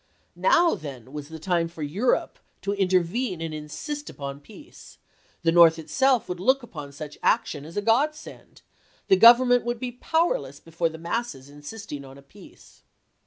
Now, then, was the time for Europe to intervene and insist upon peace ; the North itself would look upon such action as a godsend ; the Government would be powerless before the masses insisting on a peace.